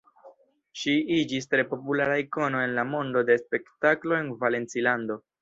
Ŝi iĝis tre populara ikono en la mondo de la spektaklo en Valencilando.